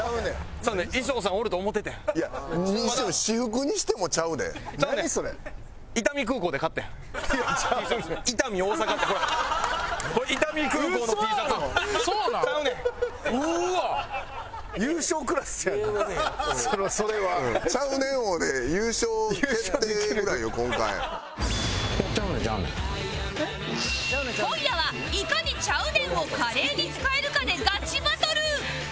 今夜はいかに「ちゃうねん」を華麗に使えるかでガチバトル